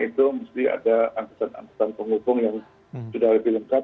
itu mesti ada angkutan angkutan penghubung yang sudah lebih lengkap